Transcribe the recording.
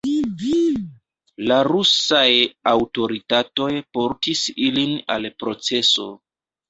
La rusaj aŭtoritatoj portis ilin al proceso.